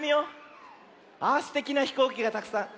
ああすてきなひこうきがたくさん。